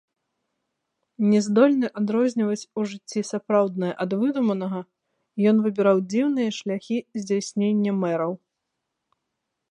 Не здольны адрозніваць у жыцці сапраўднае ад выдуманага, ён выбіраў дзіўныя шляхі здзяйснення мэраў.